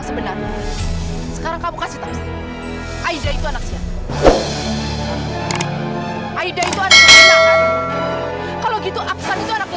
sampai jumpa di video selanjutnya